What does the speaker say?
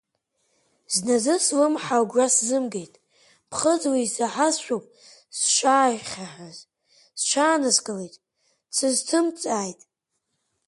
Зназы слымҳа агәра сзымгеит, ԥхыӡла исаҳазшәоуп сшаахьаҳәыз, сҽааныскылеит, дсызҭымҵааит.